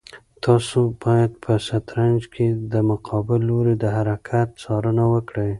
تاسو باید په شطرنج کې د مقابل لوري د هر حرکت څارنه وکړئ.